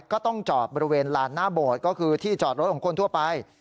ก็ต้องจอดบริเวณลานหน้าโบสถ์ก็คือที่จอดรถของคนทั่วไป